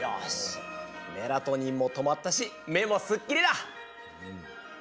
メラトニンも止まったし目もすっきりだ！